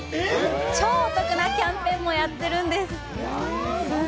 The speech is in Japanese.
超お得なキャンペーンもやっているんです。